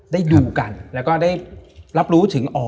ได้ดูกันแล้วก็ได้รับรู้ถึงอ๋อ